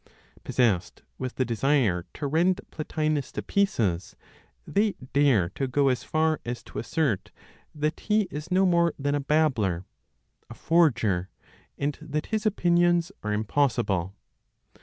Possessed with the desire to rend Plotinos to pieces, they dare to go as far as to assert that he is no more than a babbler, a forger, and that his opinions are impossible.